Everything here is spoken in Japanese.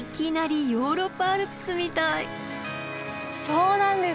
そうなんです